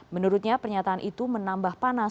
menurutnya pernyataan itu menambah panas